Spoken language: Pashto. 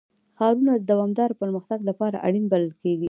ښارونه د دوامداره پرمختګ لپاره اړین بلل کېږي.